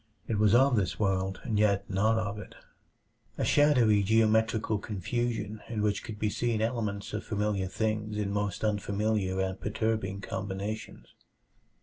It was of this world, and yet not of it a shadowy geometrical confusion in which could be seen elements of familiar things in most unfamiliar and perturbing combinations.